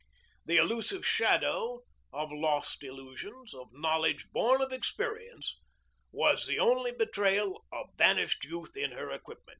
The elusive shadow of lost illusions, of knowledge born of experience, was the only betrayal of vanished youth in her equipment.